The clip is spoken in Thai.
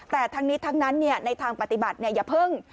แต่ทั้งนี้ทั้งนั้นในทางปฏิบัติอย่าเพิ่ง